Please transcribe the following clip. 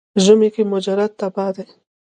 ژمي کې مجرد تبا دی.